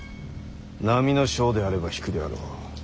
並の将であれば引くであろう。